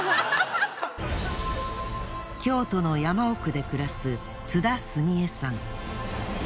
京都の山奥で暮らす津田スミヱさん。